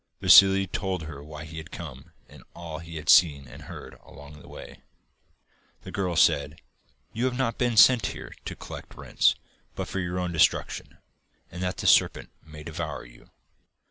Vassili told her why he had come, and all he had seen and heard on the way. The girl said: 'You have not been sent here to collect rents, but for your own destruction, and that the serpent may devour you.